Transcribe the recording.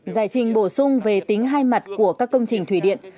giải trình bổ sung về tính hai mặt của các công trình thủy điện